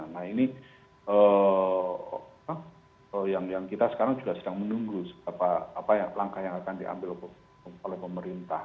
nah ini yang kita sekarang juga sedang menunggu langkah yang akan diambil oleh pemerintah